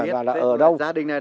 và là ở đâu